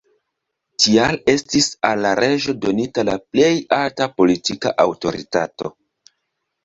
Tial estis al la reĝo donita la plej alta politika aŭtoritato.